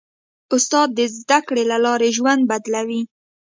استاد د زدهکړې له لارې ژوند بدلوي.